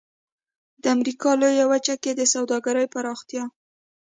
د امریکا لویې وچې کې د سوداګرۍ پراختیا.